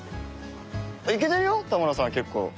いけてるよ田村さん結構。